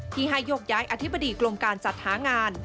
ที่ให้ยกย้ายอธิบดีกรมการจัดหางาน